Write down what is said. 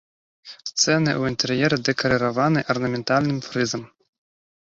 Сцены ў інтэр'еры дэкарыраваны арнаментальным фрызам.